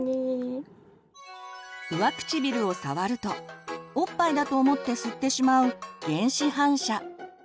上唇を触るとおっぱいだと思って吸ってしまう原始反射。